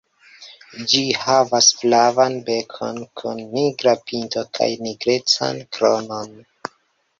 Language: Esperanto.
Ĝi havas flavan bekon kun nigra pinto kaj nigrecan kronon.